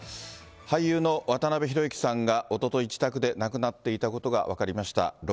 俳優の渡辺裕之さんがおととい、自宅で亡くなっていたことが分かりました。